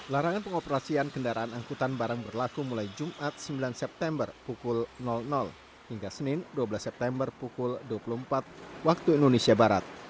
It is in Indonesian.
larangan pengoperasian kendaraan angkutan barang berlaku mulai jumat sembilan september pukul hingga senin dua belas september pukul dua puluh empat waktu indonesia barat